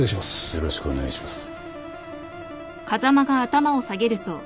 よろしくお願いします。